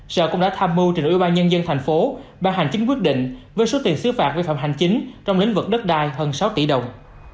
sở cũng đã tham mưu trình ủy ban nhân dân thành phố ban hành chính quyết định với số tiền xứ phạt vi phạm hành chính trong lĩnh vực đất đai hơn sáu tỷ đồng